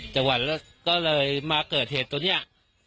จังหวัดก็เลยมาเกิดเหตุตัวเนี่ย